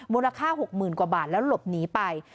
มูลค่า๖๐๐๐กว่าบาทแล้วหลบหนีไป